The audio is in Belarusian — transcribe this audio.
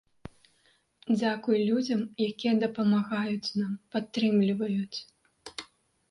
Дзякуй людзям, якія дапамагаюць нам, падтрымліваюць.